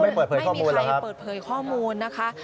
ไม่มีใครโดนเปิดเผยข้อมูลนะคะ